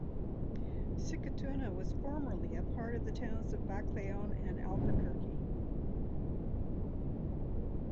Sikatuna was formerly a part of the towns of Baclayon and Alburquerque.